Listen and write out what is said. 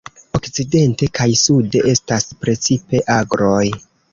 Okcidente kaj sude estas precipe agroj.